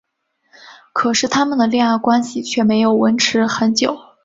可是他们的恋爱关系却没有维持很久。